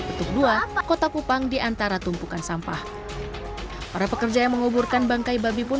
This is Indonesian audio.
petuguan kota kupang diantara tumpukan sampah para pekerja yang menguburkan bangkai babi pun